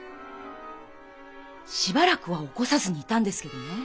しばらくは起こさずにいたんですけどね